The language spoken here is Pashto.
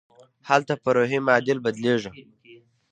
هلته پر روحي معادل بدلېږي.